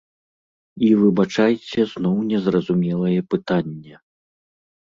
І, выбачайце, зноў незразумелае пытанне.